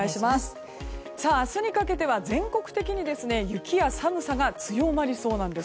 明日にかけては全国的に雪や寒さが強まりそうなんです。